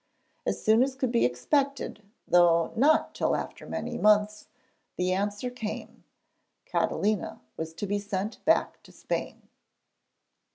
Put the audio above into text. As soon as could be expected, though not till after many months, the answer came: Catalina was to be sent back to Spain.